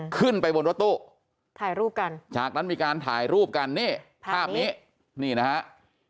ขึ้นไปบนรถตู้จากนั้นมีการถ่ายรูปกันภาพนี้เห็นไหม